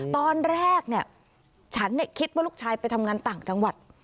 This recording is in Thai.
ตอนแรกเนี่ยฉันคิดว่าลูกชายไปทำงานต่างจังหวัด